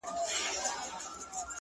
يو يمه خو _